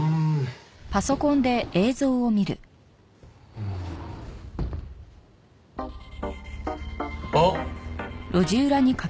うん。あっ！